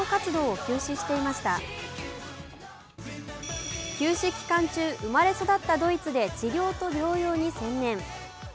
休止期間中、生まれ育ったドイツで治療と療養に専念。